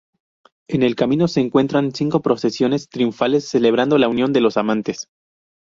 En el camino se encuentran cinco procesiones triunfales celebrando la unión de los amantes.